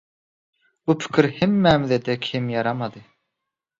bu pikir hemmämize-de kem ýaramady.